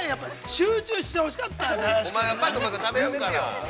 集中してほしかったんです。